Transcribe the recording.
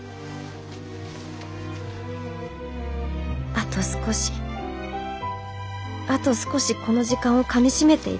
あと少しあと少しこの時間をかみしめていたい。